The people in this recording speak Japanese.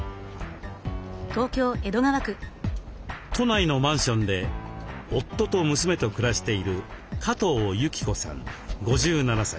都内のマンションで夫と娘と暮らしている加藤由起子さん５７歳。